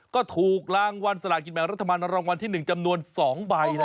ก็ถูกรางวัลสลากินแบ่งรัฐบาลรางวัลที่๑จำนวน๒ใบ